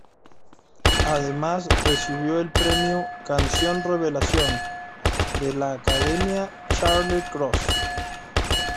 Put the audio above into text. Además recibió el premio Canción Revelación" de la Academia Charles-Cros.